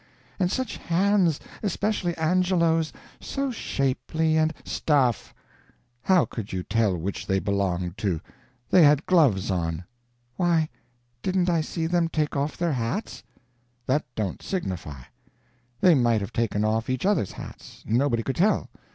And such hands, especially Angelo's so shapely and " "Stuff, how could you tell which they belonged to? they had gloves on." "Why, didn't I see them take off their hats?" "That don't signify. They might have taken off each other's hats. Nobody could tell.